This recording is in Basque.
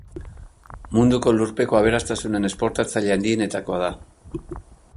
Munduko lurpeko aberastasunen esportatzaile handienetakoa da.